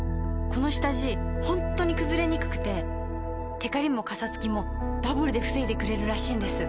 この下地ホントにくずれにくくてテカリもカサつきもダブルで防いでくれるらしいんです。